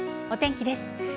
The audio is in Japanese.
お天気です。